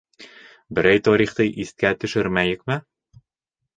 Берәй тарихты иҫкә төшөрмәйекме?